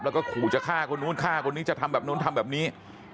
แล้วก็ขู่จะฆ่าคนนู้นฆ่าคนนี้จะทำแบบนู้นทำแบบนี้